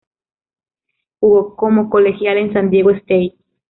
Jugo como colegial en San Diego State.